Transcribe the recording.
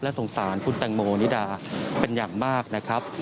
สงสารคุณแตงโมนิดาเป็นอย่างมากนะครับ